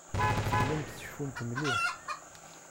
Tellamt tceffumt mliḥ.